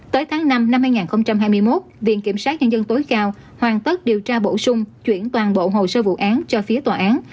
tới tháng năm năm hai nghìn hai mươi một viện kiểm sát nhân dân tối cao hoàn tất điều tra bổ sung chuyển toàn bộ hồ sơ vụ án cho phía tòa án